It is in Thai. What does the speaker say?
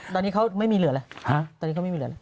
ตอนนี้เขาไม่มีเหลือแล้วตอนนี้เขาไม่มีเหลือเลย